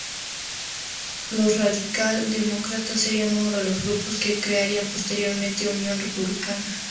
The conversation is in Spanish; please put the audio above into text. Los radical demócratas serían uno de los grupos que crearían posteriormente Unión Republicana.